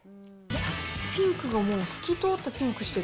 ピンクがもう、透き通ったピンクしてる。